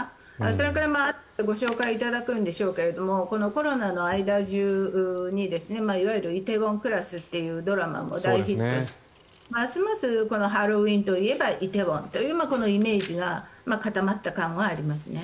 それから、あとでご紹介いただくんですけどもこのコロナの間中にいわゆる「梨泰院クラス」というドラマも大ヒットしてますますハロウィーンといえば梨泰院というイメージが固まった感はありますね。